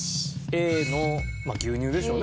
Ａのまあ牛乳でしょうね